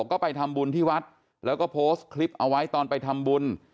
ก็ไปทำบุญที่วัดแล้วก็โพสต์คลิปเอาไว้ตอนไปทำบุญ